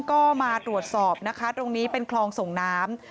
ก็มาตรวจสอบนะคะตรงนี้เป็นคลองส่งน้ำ